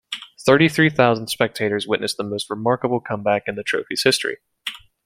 Thirty-three thousand spectators witnessed the most remarkable comeback in the trophy's history.